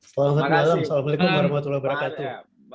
selamat malam assalamualaikum warahmatullahi wabarakatuh